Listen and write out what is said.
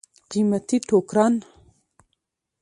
قیمتي ټوکران.